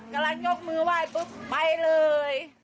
กำลังยกมือไหว้ปุ๊บไปเลย